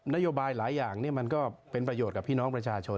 นโยบายหลายอย่างมันก็เป็นประโยชน์กับพี่น้องประชาชน